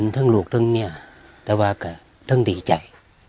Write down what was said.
ลูกทั้งเมียแต่ว่าก็ทั้งดีใจ